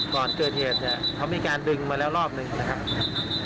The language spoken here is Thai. ก่อนเกิดเหตุเนี่ยเขามีการดึงมาแล้วรอบหนึ่งนะครับ